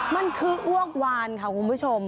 มันคืออ้วกวานค่ะคุณผู้ชม